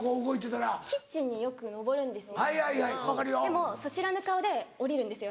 でも素知らぬ顔で下りるんですよ